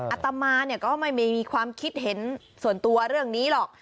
อัตมาเนี่ยก็ไม่มีความคิดเห็นส่วนตัวเรื่องนี้หรอก